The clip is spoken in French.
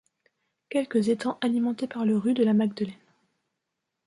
Quelques étangs alimentés par le ru de la Magdelaine.